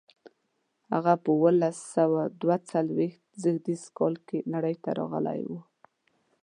هغه په اوولس سوه دوه څلویښت زېږدیز کال کې نړۍ ته راغلی و.